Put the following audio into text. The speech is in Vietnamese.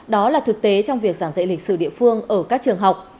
đó là thực tế trong việc giảng dạy lịch sử địa phương ở các trường học